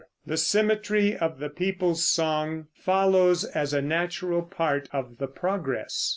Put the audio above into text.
The symmetry of the people's song follows as a natural part of the progress.